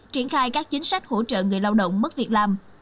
triển khai các chính sách hỗ trợ người lao động mất việc làm